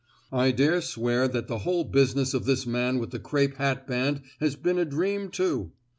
I dare swear that the whole business of this man with the crape hatband has been a dream too!